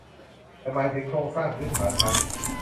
แต่หมายถึงโครงสร้างพื้นฐานทั้ง